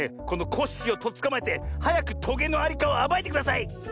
このコッシーをとっつかまえてはやくトゲのありかをあばいてください！